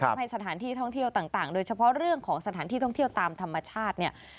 ให้สถานที่ท่องเที่ยวต่างโดยเฉพาะเรื่องของสถานที่ท่องเที่ยวตามธรรมชาติเนี่ย